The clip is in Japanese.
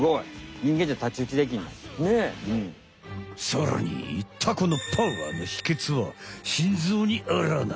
さらにタコのパワーのひけつは心臓にあらな。